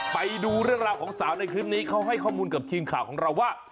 ไปดูเรื่องราวของสาวในคลิปนี้เขาให้ข้อมูลกับทีมข่าวของเราว่า